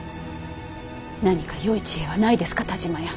何かよい知恵はないですか田嶋屋。